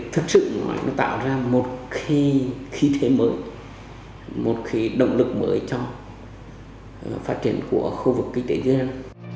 thực sự nó tạo ra một khí thế mới một khí động lực mới cho phát triển của khu vực kinh tế tư nhân